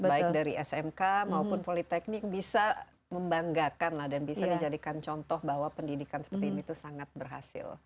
baik dari smk maupun politeknik bisa membanggakan dan bisa dijadikan contoh bahwa pendidikan seperti ini itu sangat berhasil